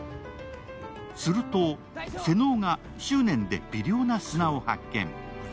すると瀬能が執念で微量な砂を発見。